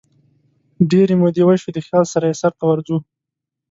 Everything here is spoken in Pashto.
ډیري مودې وشوي دخیال سره یې سرته ورځو